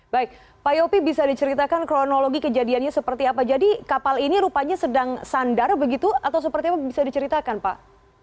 baik pak yopi bisa diceritakan kronologi kejadiannya seperti apa jadi kapal ini rupanya sedang sandar begitu atau seperti apa bisa diceritakan pak